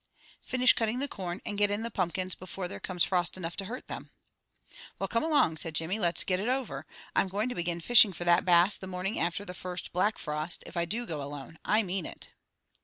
"Finish cutting the corn, and get in the pumpkins before there comes frost enough to hurt them." "Well, come along!" said Jimmy. "Let's get it over. I'm going to begin fishing for that Bass the morning after the first black frost, if I do go alone. I mean it!"